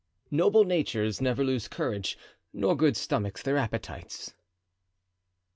Noble Natures never lose Courage, nor good Stomachs their Appetites.